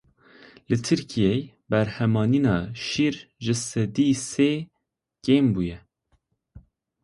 Li Tirkiyeyê berhemanîna şîr ji sedî sê kêm bûye.